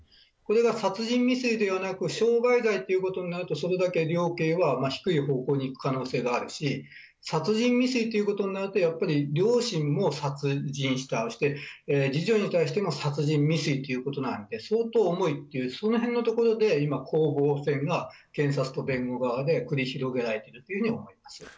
殺人未遂ではなく傷害罪ということになるとそれだけ量刑は低い方向に行く可能性があるし殺人未遂ということになると両親も殺人した次女に対しても殺人未遂ということなので相当重いというそのへんのところで今、攻防戦が検察と弁護側で繰り広げられていると思います。